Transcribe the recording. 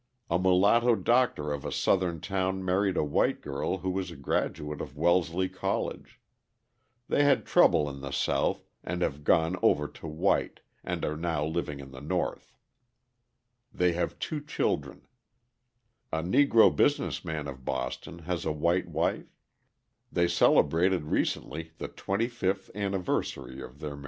A mulatto doctor of a Southern town married a white girl who was a graduate of Wellesley College; they had trouble in the South and have "gone over to white" and are now living in the North. They have two children. A Negro business man of Boston has a white wife; they celebrated recently the twenty fifth anniversary of their marriage. [Illustration: MRS. BOOKER T. WASHINGTON MRS.